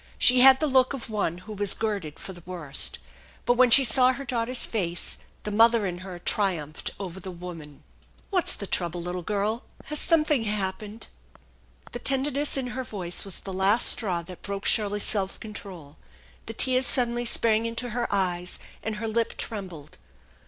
She had the look of one who was girded for the worst. But, when she saw her daughter's face, the mother in her triumphed over the woman. 116 116 THE ENCHANTED BARN "Whafs the trouble, little girl? Has something hap pened?" The tenderness in her voice was the last straw that broke Shirley's self control. The tears suddenly sprang into her eyes, and her lip trembled.